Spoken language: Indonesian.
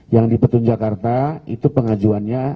yang di petun jakarta itu pengajuannya